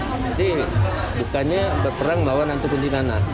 jadi bukannya berperang melawan hantu kuntilanak